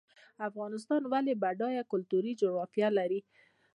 افغانستان ولې بډایه کلتوري جغرافیه لري؟